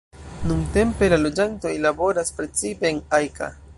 Nuntempe la loĝantoj laboras precipe en Ajka.